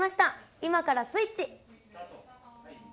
今からスイッチ。